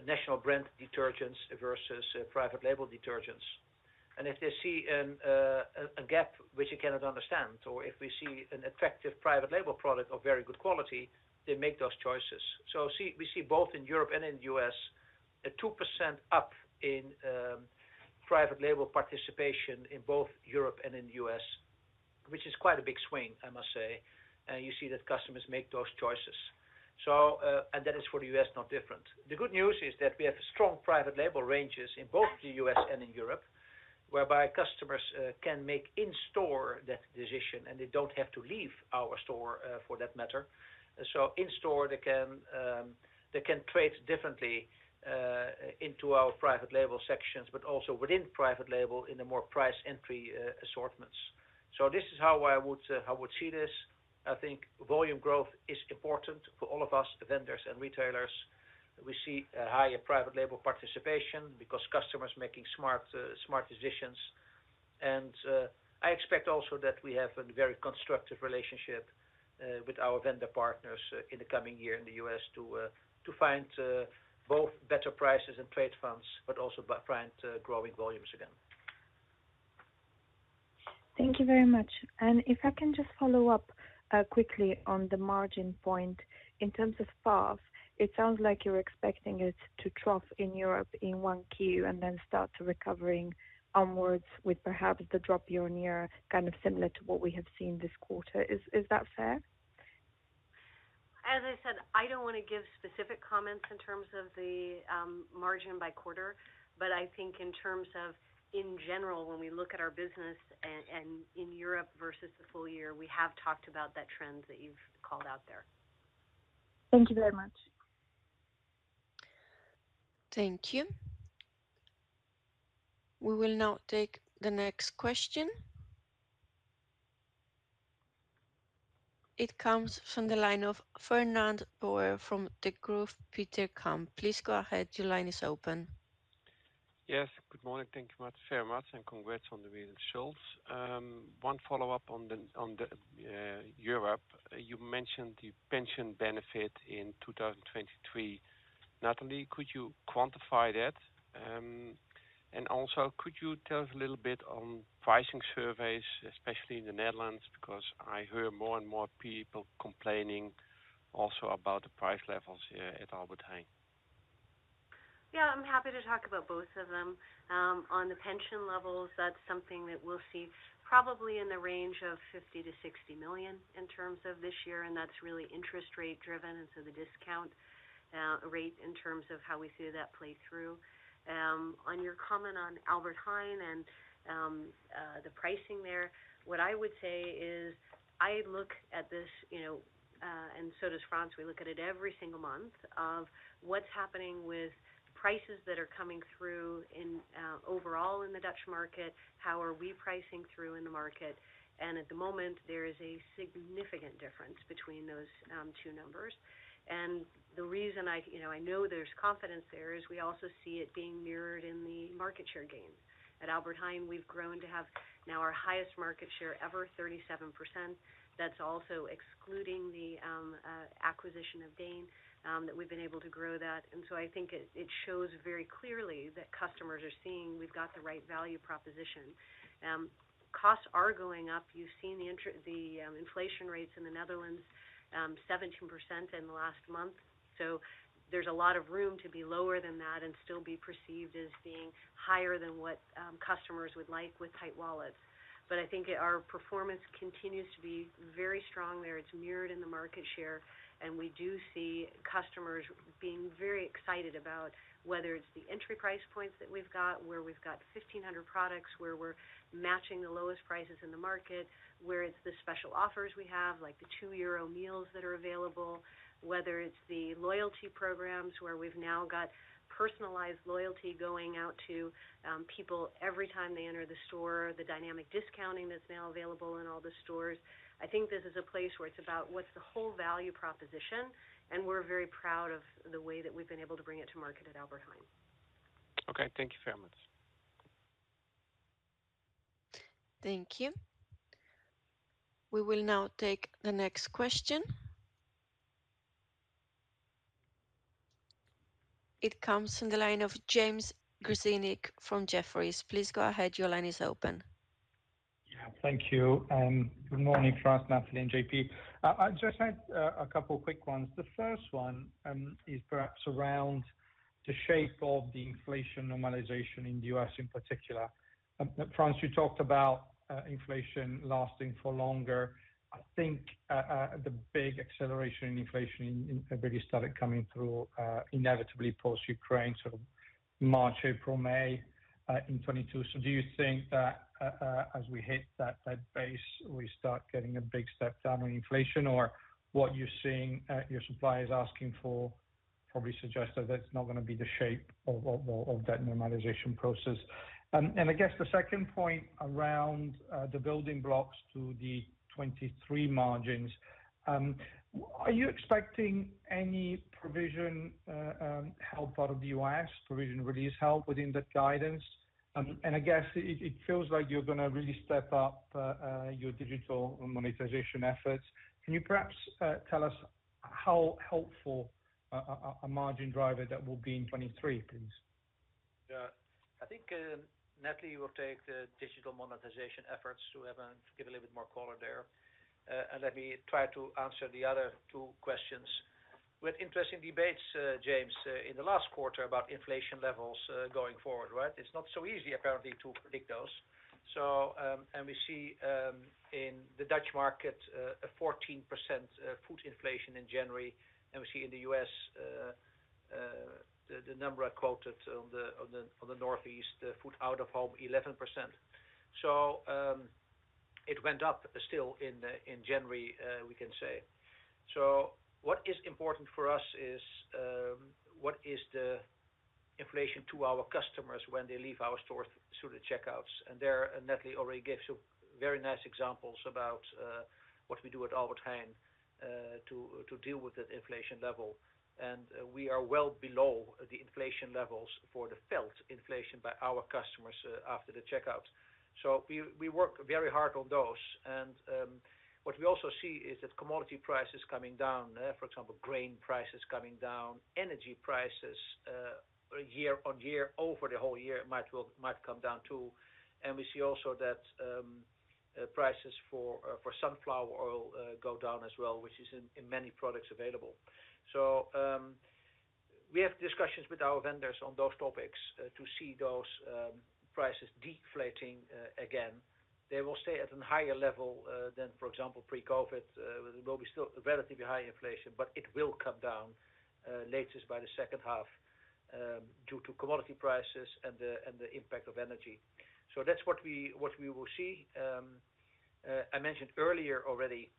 national brand detergents versus private label detergents. If they see a gap which they cannot understand, or if we see an effective private label product of very good quality, they make those choices. We see both in Europe and in the U.S., a 2% up in private label participation in both Europe and in the U.S., which is quite a big swing, I must say. You see that customers make those choices. And that is for the U.S., no different. The good news is that we have strong private label ranges in both the U.S. and in Europe, whereby customers can make in store that decision, and they don't have to leave our store for that matter. In store they can, they can trade differently into our private label sections, but also within private label in a more price entry assortments. This is how I would see this. I think volume growth is important for all of us, vendors and retailers. We see a higher private label participation because customers making smart decisions. I expect also that we have a very constructive relationship with our vendor partners in the U.S. to find both better prices and trade funds, but also by trying to growing volumes again.
Thank you very much. If I can just follow up quickly on the margin point. In terms of path, it sounds like you're expecting it to trough in Europe in 1Q and then start to recovering onwards with perhaps the drop year-on-year, kind of similar to what we have seen this quarter. Is that fair?
As I said, I don't want to give specific comments in terms of the margin by quarter, but I think in terms of in general, when we look at our business and in Europe versus the full year, we have talked about that trend that you've called out there.
Thank you very much.
Thank you. We will now take the next question. It comes from the line of Fernand Boer from Degroof Petercam. Please go ahead. Your line is open.
Yes, good morning. Thank you much, very much, and congrats on the results. One follow-up on the Europe. You mentioned the pension benefit in 2023. Natalie, could you quantify that? Also, could you tell us a little bit on pricing surveys, especially in the Netherlands? Because I hear more and more people complaining also about the price levels here at Albert Heijn.
Yeah, I'm happy to talk about both of them. On the pension levels, that's something that we'll see probably in the range of 50 million-60 million in terms of this year, and that's really interest rate driven. The discount rate in terms of how we see that play through. On your comment on Albert Heijn and the pricing there, what I would say is I look at this, you know, and so does Frans, we look at it every single month of what's happening with prices that are coming through in overall in the Dutch market, how are we pricing through in the market. At the moment, there is a significant difference between those two numbers. The reason I, you know, I know there's confidence there is we also see it being mirrored in the market share gain. At Albert Heijn, we've grown to have now our highest market share ever, 37%. That's also excluding the acquisition of DEEN, that we've been able to grow that. I think it shows very clearly that customers are seeing we've got the right value proposition. Costs are going up. You've seen the inflation rates in the Netherlands, 17% in the last month. There's a lot of room to be lower than that and still be perceived as being higher than what customers would like with tight wallets. I think our performance continues to be very strong there. It's mirrored in the market share. We do see customers being very excited about whether it's the entry price points that we've got, where we've got 1,500 products, where we're matching the lowest prices in the market, where it's the special offers we have, like the 2 euro meals that are available, whether it's the loyalty programs where we've now got personalized loyalty going out to people every time they enter the store, the dynamic discounting that's now available in all the stores. I think this is a place where it's about what's the whole value proposition, and we're very proud of the way that we've been able to bring it to market at Albert Heijn.
Okay. Thank you very much.
Thank you. We will now take the next question. It comes from the line of James Grzinic from Jefferies. Please go ahead. Your line is open.
Yeah. Thank you. Good morning, Frans, Natalie, and JP I just had a couple quick ones. The first one is perhaps around the shape of the inflation normalization in the U.S. in particular. Frans, you talked about inflation lasting for longer. I think the big acceleration in inflation in really started coming through inevitably post Ukraine, sort of March, April, May. In 2022. Do you think that as we hit that base, we start getting a big step down in inflation or what you're seeing your suppliers asking for probably suggests that that's not gonna be the shape of that normalization process. I guess the second point around the building blocks to the 2023 margins, are you expecting any provision help out of the U.S., provision release help within that guidance? I guess it feels like you're gonna really step up your digital monetization efforts. Can you perhaps tell us how helpful a margin driver that will be in 2023, please?
Yeah. I think Natalie will take the digital monetization efforts to give a little bit more color there. Let me try to answer the other two questions. We had interesting debates, James, in the last quarter about inflation levels going forward, right? It's not so easy apparently to predict those. We see in the Dutch market a 14% food inflation in January, and we see in the U.S. the number I quoted on the Northeast food out of home 11%. It went up still in January, we can say. What is important for us is what is the inflation to our customers when they leave our stores through the checkouts. Natalie already gave some very nice examples about what we do at Albert Heijn to deal with that inflation level. We are well below the inflation levels for the felt inflation by our customers after the checkout. We work very hard on those. What we also see is that commodity prices coming down, for example, grain prices coming down, energy prices year-over-year, over the whole year might come down too. We see also that prices for sunflower oil go down as well, which is in many products available. We have discussions with our vendors on those topics to see those prices deflating again. They will stay at a higher level than, for example, pre-COVID. There will be still relatively high inflation, but it will come down latest by the H2 due to commodity prices and the impact of energy. That's what we will see. I mentioned earlier already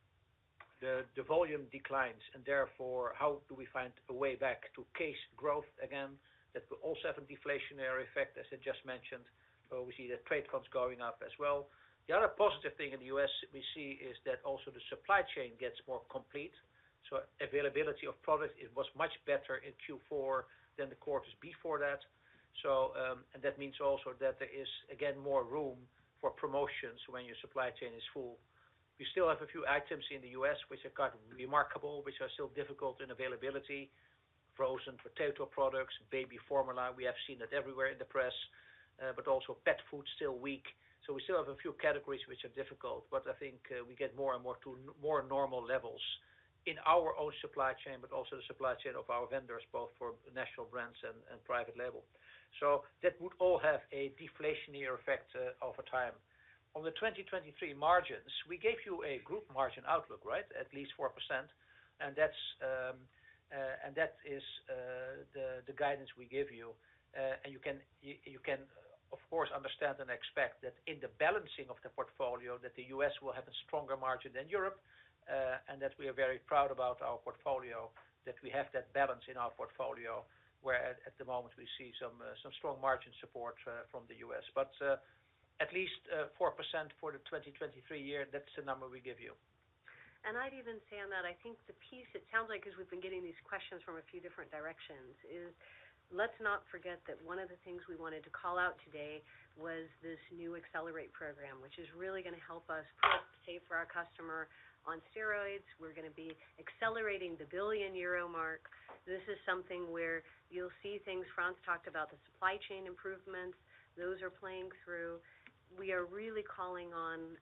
the volume declines, therefore how do we find a way back to case growth again that will also have a deflationary effect, as I just mentioned, where we see the trade funds going up as well. The other positive thing in the U.S. we see is that also the supply chain gets more complete. Availability of product, it was much better in Q4 than the quarters before that. That means also that there is, again, more room for promotions when your supply chain is full. We still have a few items in the U.S. which have got remarkable, which are still difficult in availability, frozen potato products, baby formula. We have seen it everywhere in the press, but also pet food's still weak. We still have a few categories which are difficult, but I think we get more and more to more normal levels in our own supply chain, but also the supply chain of our vendors, both for national brands and private label. That would all have a deflationary effect over time. On the 2023 margins, we gave you a group margin outlook, right? At least 4%. That's, and that is the guidance we give you. You can, you can of course understand and expect that in the balancing of the portfolio, that the U.S. will have a stronger margin than Europe, and that we are very proud about our portfolio, that we have that balance in our portfolio where at the moment we see some strong margin support from the U.S.. At least, 4% for the 2023 year, that's the number we give you.
I'd even say on that, I think the piece it sounds like, as we've been getting these questions from a few different directions, is let's not forget that one of the things we wanted to call out today was this new Accelerate program, which is really gonna help us put Save for Our Customers on steroids. We're gonna be accelerating the 1 billion euro mark. This is something where you'll see things, Frans talked about the supply chain improvements. Those are playing through. We are really calling on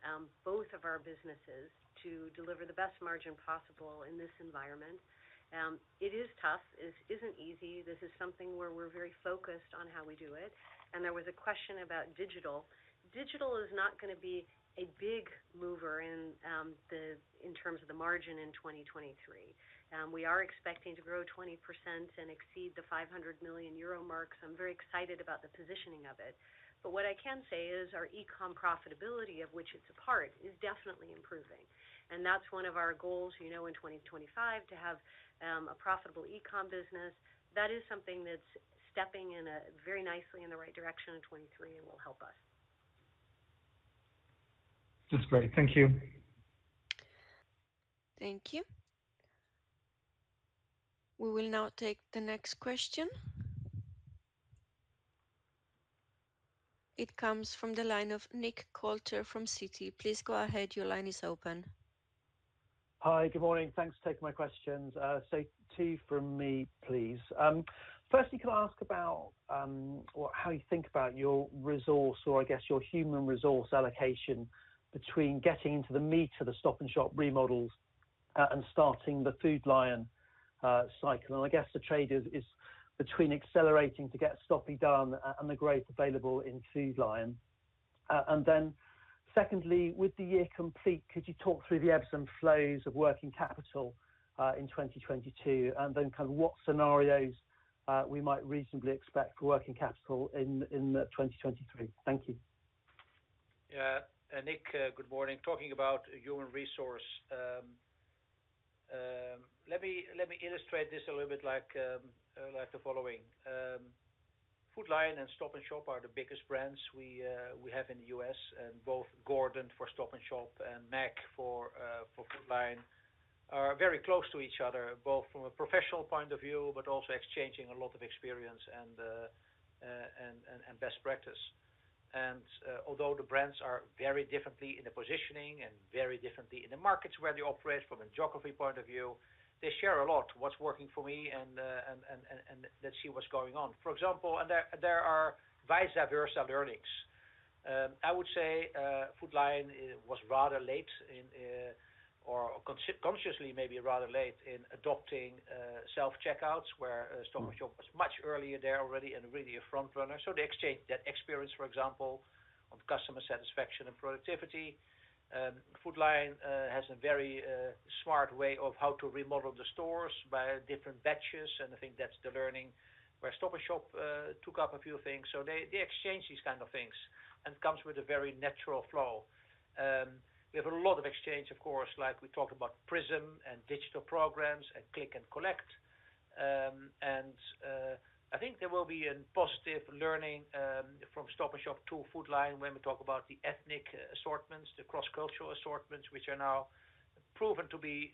both of our businesses to deliver the best margin possible in this environment. It is tough. It isn't easy. This is something where we're very focused on how we do it. There was a question about digital. Digital is not gonna be a big mover in the, in terms of the margin in 2023. We are expecting to grow 20% and exceed the 500 million euro mark, so I'm very excited about the positioning of it. What I can say is our e-com profitability, of which it's a part, is definitely improving. That's one of our goals, you know, in 2025, to have a profitable e-com business. That is something that's stepping in a very nicely in the right direction in 2023 and will help us.
That's great. Thank you.
Thank you. We will now take the next question. It comes from the line of Nick Coulter from Citi. Please go ahead. Your line is open.
Hi. Good morning. Thanks for taking my questions. So two from me, please. Firstly, can I ask about how you think about your resource or I guess your human resource allocation between getting into the meat of the Stop & Shop remodels and starting the Food Lion cycle? I guess the trade is between accelerating to get Stop & done and the growth available in Food Lion. Secondly, with the year complete, could you talk through the ebbs and flows of working capital in 2022, and then kind of what scenarios we might reasonably expect for working capital in 2023? Thank you.
Yeah. Nick, good morning. Talking about human resource, let me illustrate this a little bit like the following. Food Lion and Stop & Shop are the biggest brands we have in the U.S., and both Gordon for Stop & Shop and Meg for Food Lion are very close to each other, both from a professional point of view, but also exchanging a lot of experience and best practice. Although the brands are very differently in the positioning and very differently in the markets where they operate from a geography point of view, they share a lot, what's working for me and let's see what's going on. For example, and there are vice versa learnings. I would say Food Lion was rather late in consciously maybe rather late in adopting self-checkouts where Stop & Shop was much earlier there already and really a front runner. They exchanged that experience, for example, on customer satisfaction and productivity. Food Lion has a very smart way of how to remodel the stores by different batches, and I think that's the learning where Stop & Shop took up a few things. They exchange these kind of things and comes with a very natural flow. We have a lot of exchange, of course, like we talked about PRISM and digital programs and click and collect. I think there will be a positive learning from Stop & Shop to Food Lion when we talk about the ethnic assortments, the cross-cultural assortments, which are now proven to be.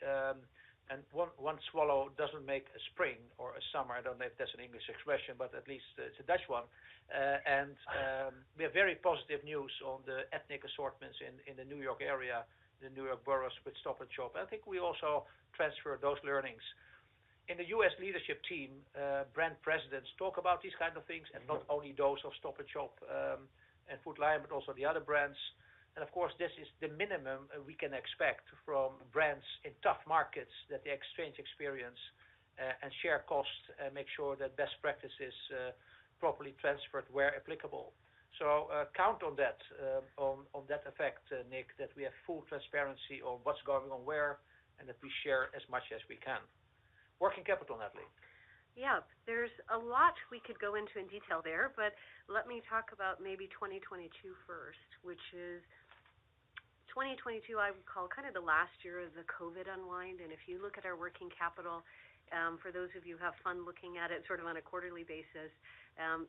One swallow doesn't make a spring or a summer. I don't know if that's an English expression, but at least it's a Dutch one. We have very positive news on the ethnic assortments in the New York area, the New York boroughs with Stop & Shop. I think we also transfer those learnings. In the U.S. leadership team, brand presidents talk about these kind of things, and not only those of Stop & Shop and Food Lion, but also the other brands. Of course, this is the minimum we can expect from brands in tough markets that they exchange experience and share costs, make sure that best practice is properly transferred where applicable. Count on that on that effect, Nick, that we have full transparency on what's going on where, and that we share as much as we can. Working capital, Natalie.
There's a lot we could go into in detail there, but let me talk about maybe 2022 first, which is 2022, the last year of the COVID unwind. If you look at our working capital, for those of you who have fun looking at it on a quarterly basis,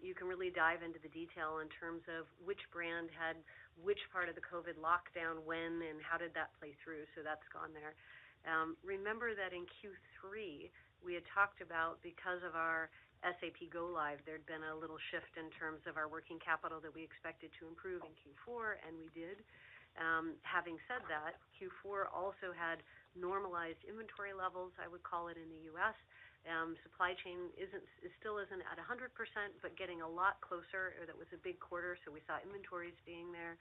you can really dive into the detail in terms of which brand had which part of the COVID lockdown when and how did that play through. That's gone there. Remember that in Q3, we had talked about because of our SAP go live, there'd been a little shift in terms of our working capital that we expected to improve in Q4, and we did. Having said that, Q4 also had normalized inventory levels in the U.S. Supply chain still isn't at 100%, but getting a lot closer. That was a big quarter, we saw inventories being there.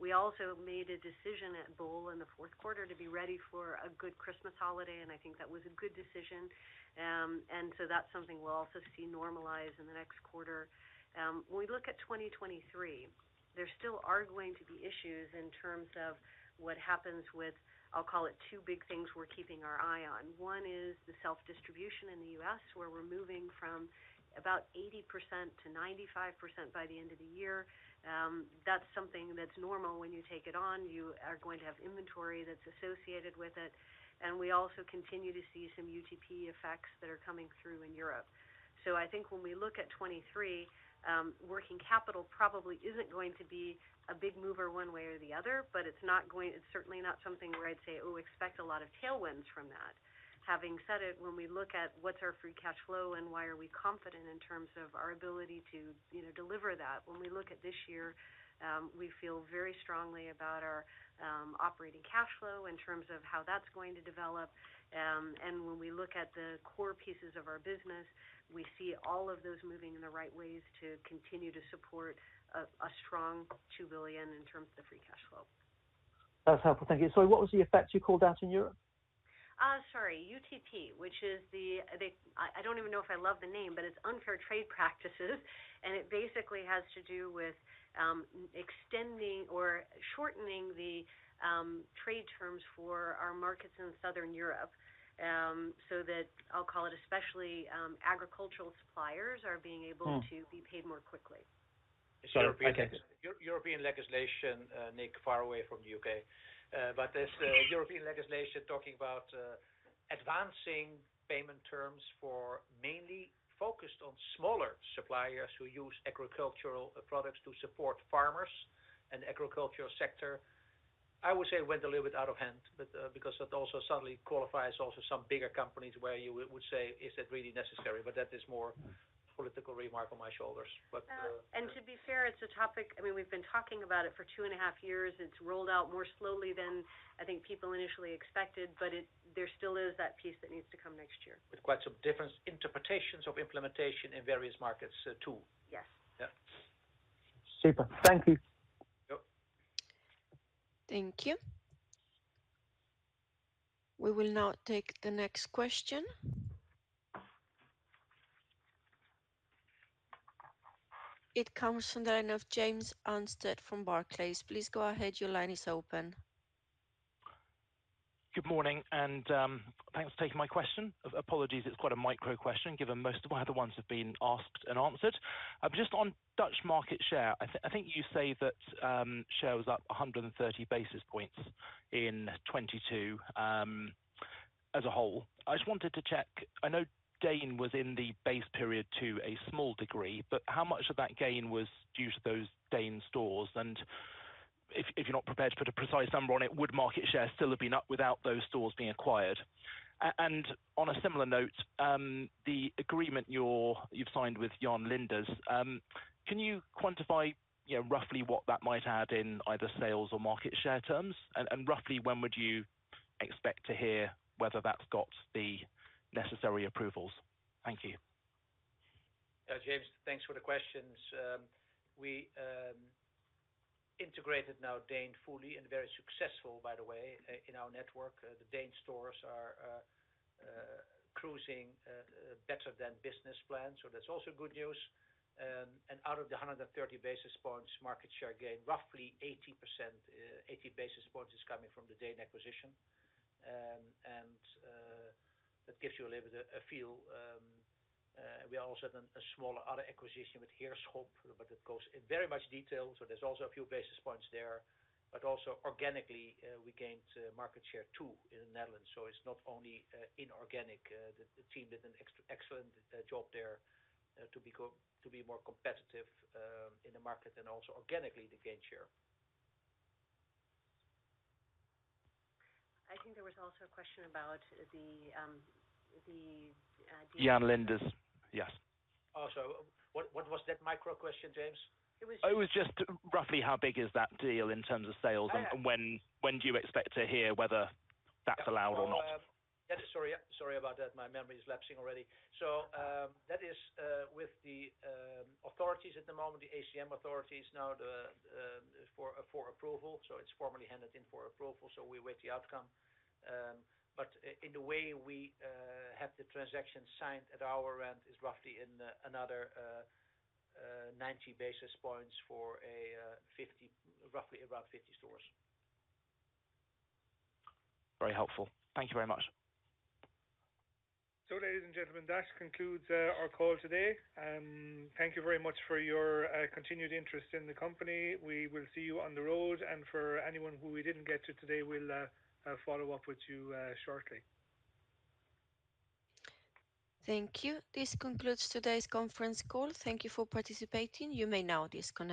We also made a decision at bol.com in the Q4 to be ready for a good Christmas holiday, and I think that was a good decision. That's something we'll also see normalize in the next quarter. When we look at 2023, there still are going to be issues in terms of what happens with, I'll call it two big things we're keeping our eye on. One is the self-distribution in the U.S., where we're moving from about 80%-95% by the end of the year. That's something that's normal when you take it on. You are going to have inventory that's associated with it. We also continue to see some UTP effects that are coming through in Europe. I think when we look at 2023, working capital probably isn't going to be a big mover one way or the other, but it's certainly not something where I'd say, oh, expect a lot of tailwinds from that. Having said it, when we look at what's our free cash flow and why are we confident in terms of our ability to, you know, deliver that, when we look at this year, we feel very strongly about our operating cash flow in terms of how that's going to develop. And when we look at the core pieces of our business, we see all of those moving in the right ways to continue to support a strong 2 billion in terms of free cash flow.
That's helpful. Thank you. Sorry, what was the effect you called out in Europe?
Sorry. UTP, which is the... I don't even know if I love the name, but it's Unfair Trading Practices, and it basically has to do with, extending or shortening the trade terms for our markets in Southern Europe, so that, I'll call it especially, agricultural suppliers are being able
Mm.
-to be paid more quickly.
Sorry, I can't hear.
European legislation, Nick, far away from the U.K. This European legislation talking about advancing payment terms for mainly focused on smaller suppliers who use agricultural products to support farmers and agricultural sector. I would say it went a little bit out of hand, but, because it also suddenly qualifies also some bigger companies where you would say, "Is it really necessary?" That is more political remark on my shoulders.
To be fair, it's a topic. I mean, we've been talking about it for 2.5 years. It's rolled out more slowly than I think people initially expected, but there still is that piece that needs to come next year.
With quite some different interpretations of implementation in various markets, too.
Yes.
Yeah.
Super. Thank you.
Yep.
Thank you. We will now take the next question. It comes from the line of James Anstead from Barclays. Please go ahead. Your line is open.
Good morning, and thanks for taking my question. Apologies, it's quite a micro question, given most of the other ones have been asked and answered. Just on Dutch market share, I think you say that share was up 130 basis points in 2022 as a whole. I just wanted to check. I know DEEN was in the base period to a small degree, but how much of that gain was due to those DEEN stores? And if you're not prepared to put a precise number on it, would market share still have been up without those stores being acquired? On a similar note, the agreement you've signed with Jan Linders, can you quantify, you know, roughly what that might add in either sales or market share terms? Roughly when would you expect to hear whether that's got the necessary approvals? Thank you.
James, thanks for the questions. We integrated now DEEN fully and very successful by the way, in our network. The DEEN stores are cruising better than business plan, so that's also good news. Out of the 130 basis points, market share gain, roughly 80%, 80 basis points is coming from the DEEN acquisition. That gives you a little bit, a feel. We also done a smaller other acquisition with Heerlijk, but it goes in very much detail, so there's also a few basis points there. Organically, we gained market share too in the Netherlands, so it's not only inorganic. The team did an excellent job there to be more competitive in the market and also organically to gain share.
I think there was also a question about the.
Jan Linders. Yes.
What was that micro question, James?
It was-
It was just roughly how big is that deal in terms of sales?
Oh, yeah.
When do you expect to hear whether that's allowed or not?
Sorry about that. My memory is lapsing already. That is with the authorities at the moment, the ACM authorities now the for approval. It's formally handed in for approval. We await the outcome. In a way we have the transaction signed at our end is roughly in another 90 basis points for a 50, roughly around 50 stores.
Very helpful. Thank you very much.
Ladies and gentlemen, that concludes our call today. Thank you very much for your continued interest in the company. We will see you on the road. For anyone who we didn't get to today, we'll follow up with you shortly.
Thank you. This concludes today's conference call. Thank you for participating. You may now disconnect.